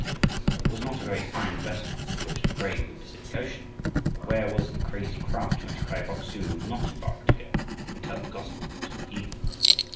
It was not a very fine vessel with which to brave the Pacific Ocean, but where was the crazy craft in which Kai Bok su would not embark to go and tell the gospel to the heathen?